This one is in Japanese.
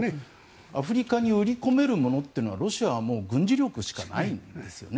アフリカに売り込めるものはロシアはもう軍事力しかないんですね。